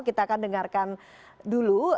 kita akan dengarkan dulu